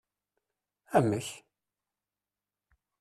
Amek!